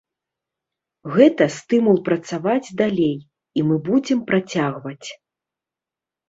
Гэта стымул працаваць далей, і мы будзем працягваць.